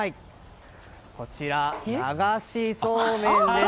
こちら、流しそうめんです。